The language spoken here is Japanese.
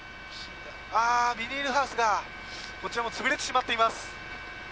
ビニールハウスがこちらも潰れてしまっています。